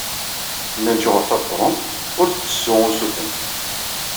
Nna Lǧuheṛ Tabetṛunt ur d-tettessu usuten.